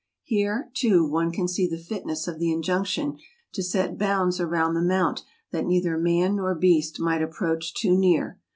Here, too, one can see the fitness of the injunction to set bounds around the mount that neither man nor beast might approach too near.